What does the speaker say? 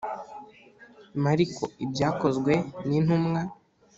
Mariko Ibyakozwe n intumwa